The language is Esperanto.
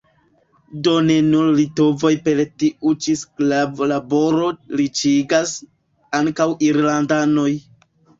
Do ne nur litovoj per tiu ĉi sklavo-laboro riĉiĝas – ankaŭ irlandanoj.